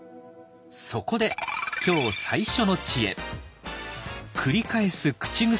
そこで今日最初の知恵。